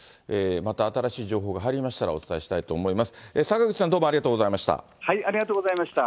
また新しい情報入りましたら、お伝えします。